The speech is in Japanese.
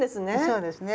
そうですね。